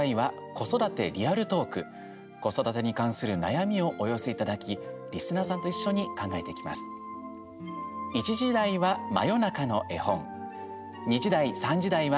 子育てに関する悩みをお寄せいただき、リスナーさんと一緒に考えていきます。